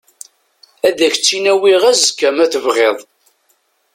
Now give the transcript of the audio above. Ad ak-tt-in-awiɣ azekka ma tebɣiḍ.